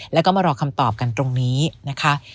แล้วก็มารอคำตอบกันตรงนี้นะคะ